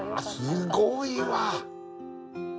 すごいわ。